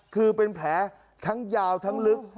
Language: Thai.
คือเป็นแผลทั้งยาวทั้งลึก